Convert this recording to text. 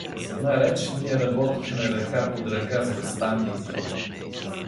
С една реч, ние работихме ръка подръка с въстаниците.